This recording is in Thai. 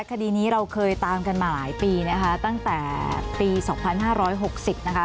คดีนี้เราเคยตามกันมาหลายปีนะคะตั้งแต่ปี๒๕๖๐นะคะ